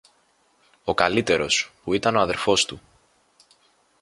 Ο καλύτερος, που ήταν ο αδελφός του